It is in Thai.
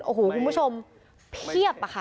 โอ้โหคุณผู้ชมเพียบอะค่ะ